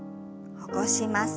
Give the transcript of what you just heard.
起こします。